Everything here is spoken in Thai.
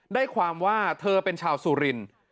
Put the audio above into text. ได้ความว่าเธอเป็นชาวสุรินทร์